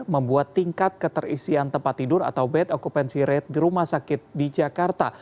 membuat tingkat keterisian tempat tidur atau bed occupancy rate di rumah sakit di jakarta